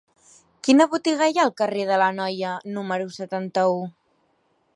Quina botiga hi ha al carrer de l'Anoia número setanta-u?